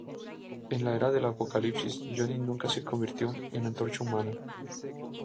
En la Era de Apocalipsis, Johnny nunca se convierte en la Antorcha Humana.